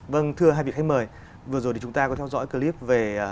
vâng thưa hai vị khách mời vừa rồi thì chúng ta có theo dõi clip về